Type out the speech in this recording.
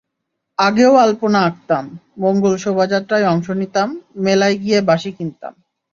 আগেও আলপনা আঁকতাম, মঙ্গল শোভাযাত্রায় অংশ নিতাম, মেলায় গিয়ে বাঁশি কিনতাম।